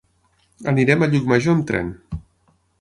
Anirem a Llucmajor amb tren.